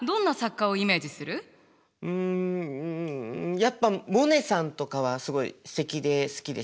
うんやっぱモネさんとかはすごいすてきで好きですね。